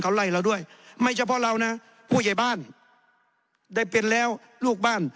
เขาไล่เราด้วยไม่เฉพาะเรานะผู้ใหญ่บ้านได้เป็นแล้วลูกบ้าน